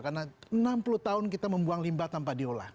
karena enam puluh tahun kita membuang limba tanpa diolah